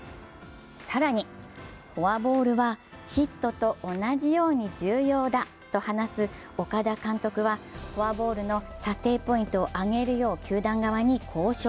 更に、フォアボールはヒットと同じように重要だと話す岡田監督はフォアボールの査定ポイントを上げるよう球団側に交渉。